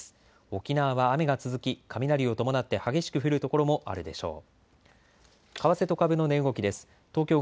沖縄は雨が続き雷を伴って激しく降る所もあるでしょう。